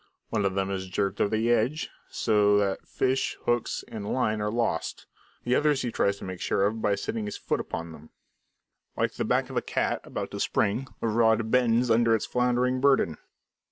One of them is jerked over the edge, so that fish, hooks, and line are lost; the other he tries to make sure of by setting his foot upon it. Like the back of a cat about to spring, the rod bends under its floundering burden.